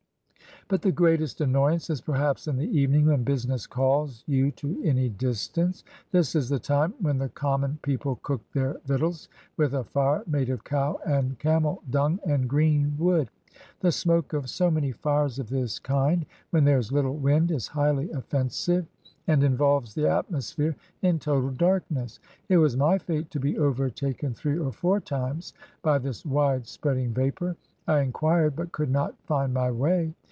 But the greatest annoyance is perhaps in the evening when business calls you to any distance. This is the time when the common people cook their \'ictuals with a fire made of cow and camel dung and green wood. The smoke of so many fires of this kind, when there is little ^ind, is highly offensive, and involves the atmosphere in total darkness. It was my fate to be overtaken three or four times by this wide spreading vapor. I inquired, but could not find my way.